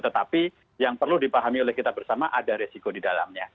tetapi yang perlu dipahami oleh kita bersama ada resiko di dalamnya